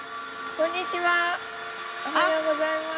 おはようございます。